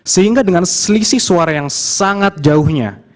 sehingga dengan selisih suara yang sangat jauhnya